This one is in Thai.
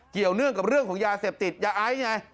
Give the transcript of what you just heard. เนื่องกับเรื่องของยาเสพติดยาไอซ์ไง